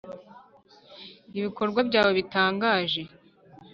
ibikorwa byawe bitangaje.